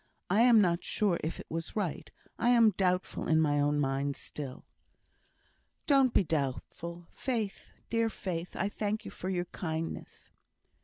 I am not sure if it was right; I am doubtful in my own mind still." "Don't be doubtful, Faith! Dear Faith, I thank you for your kindness."